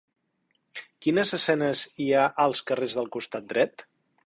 Quines escenes hi ha als carrers del costat dret?